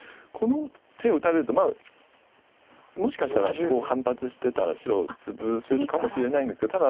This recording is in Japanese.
この手打たれるとまあもしかしたらこう反発してたら白をツブせるかもしれないんですけど。